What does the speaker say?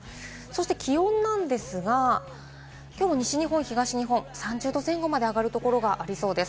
気温なんですが、きょう西日本、東日本、３０℃前後まで上がるところがありそうです。